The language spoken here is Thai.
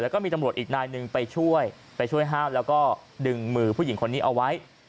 แล้วก็มีตำรวจอีกนายหนึ่งไปช่วยไปช่วยห้ามแล้วก็ดึงมือผู้หญิงคนนี้เอาไว้